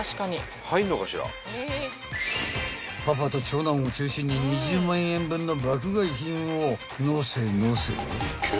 ［パパと長男を中心に２０万円分の爆買い品を載せ載せ］